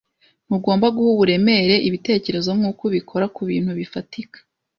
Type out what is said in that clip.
Ntugomba guha uburemere ibitekerezo nkuko ubikora kubintu bifatika.